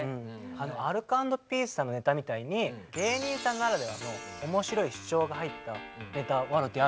アルコ＆ピースさんのネタみたいに芸人さんならではの面白い主張が入ったネタワロティある？